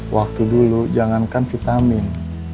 waktu dulu jangankan vitamin